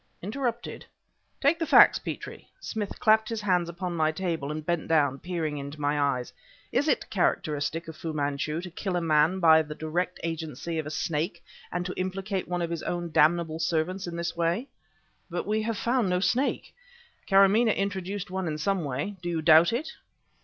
"Interrupted!" "Take the facts, Petrie," Smith clapped his hands upon my table and bent down, peering into my eyes "is it characteristic of Fu Manchu to kill a man by the direct agency of a snake and to implicate one of his own damnable servants in this way?" "But we have found no snake!" "Karamaneh introduced one in some way. Do you doubt it?"